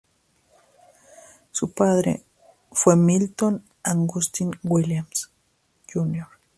Su padre fue Milton Augustine Williams Jr.